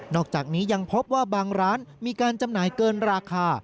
อกจากนี้ยังพบว่าบางร้านมีการจำหน่ายเกินราคา